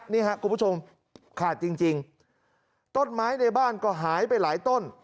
นี่ครับคุณผู้ชมขาดจริงต้นไม้ในบ้านก็หายไปหลายต้น